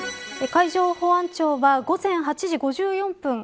海上保安庁は午前８時５４分